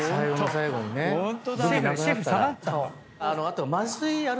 あと。